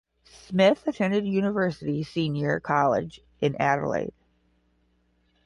Smith attended University Senior College in Adelaide.